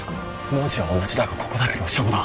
文字は同じだがここだけロシア語だ